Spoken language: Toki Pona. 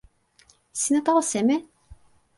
sina tawa seme?